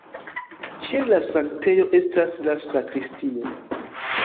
Ĉe la sanktejo estas la sakristio.